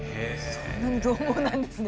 そんなにどう猛なんですね。